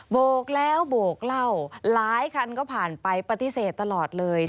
โกกแล้วโบกเหล้าหลายคันก็ผ่านไปปฏิเสธตลอดเลย